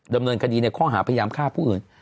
ดำเนินคดีในข้อหาพยายามฆ่าผู้อื่น